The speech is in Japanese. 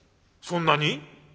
「そんなに？